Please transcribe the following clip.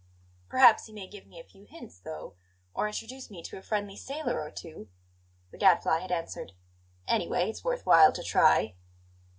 "Perhaps he may give me a few hints, though, or introduce me to a friendly sailor or two," the Gadfly had answered. "Anyway, it's worth while to try."